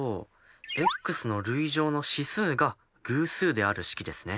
ｘの累乗の指数が偶数である式ですね。